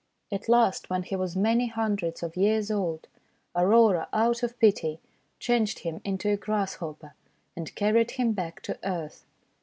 At last, when he was many hundreds of years old, Aurora, out of pity, changed him into a Grasshopper and carried him back to earth.